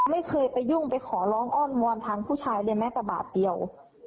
ไม่เคยไปยุ่งไปขอร้องอ้อนวอนทางผู้ชายเลยแม้แต่บาทเดียว